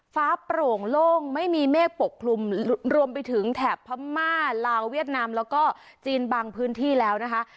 โปร่งโล่งไม่มีเมฆปกคลุมรวมไปถึงแถบพม่าลาวเวียดนามแล้วก็จีนบางพื้นที่แล้วนะคะ